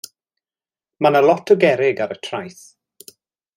Mi oedd 'na lot o gerrig ar y traeth.